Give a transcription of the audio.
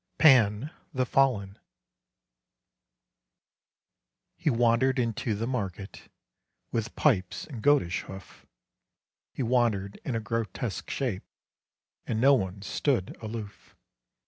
Pan the Fallen He wandered into the market With pipes and goatish hoof; He wandered in a grotesque shape, And no one stood aloof.